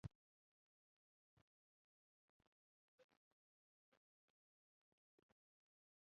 د ملتپالنې او جرات تلقین دی.